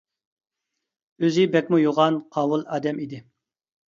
ئۇزى بەكمۇ يوغان قاۋۇل ئادەم ئىدى.